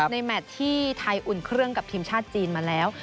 แมทที่ไทยอุ่นเครื่องกับทีมชาติจีนมาแล้ว